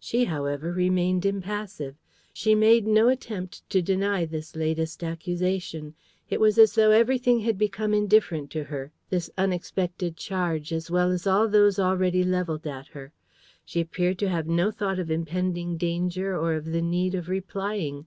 She, however, remained impassive. She made no attempt to deny this latest accusation. It was as though everything had become indifferent to her, this unexpected charge as well as all those already leveled at her. She appeared to have no thought of impending danger or of the need of replying.